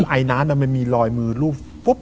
ไอน้านมันมีลอยมือรูป